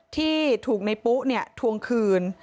ที่ถูกในปู้ถูกคืน